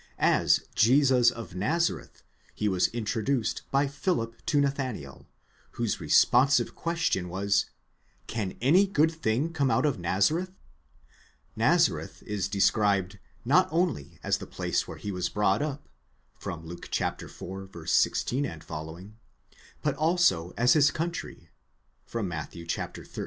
As Jesus of Nazareth he was introduced by Philip to Nathanael, whose responsive question was, Can any good thing come out of Nazareth? Nazareth is described, not only as the place where he was brought up, οὗ ἦν τεθραμμένος (Luke iv. τό f.), but also as his country ; πατρὶς (Matt. xiii.